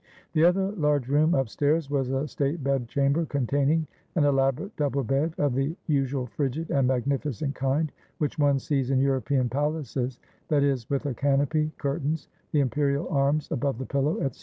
The other large room upstairs was a state bed chamber containing an elaborate double bed of the usual frigid and magnificent kind which one sees in European palaces, that is, with a canopy, curtains, the imperial arms above the pillow, etc.